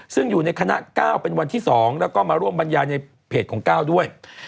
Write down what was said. ซึ่งอยู่ในคณะ๙เป็นวันที่๒แล้วก็มาร่วมบรรยายในเพจของก้าวด้วย